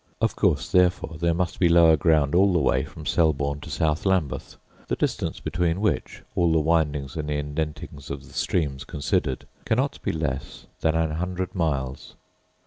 Of course therefore there must be lower ground all the way from Selborne to Sough Lambeth; the distance between which, all the windings and indentings of the streams considered, cannot be less than an hundred miles.